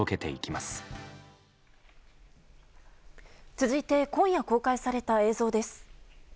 続いて今夜公開された映像です。